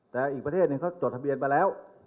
แต่อีกประเทศหนึ่งเขาจดทะเบียนมาแล้ว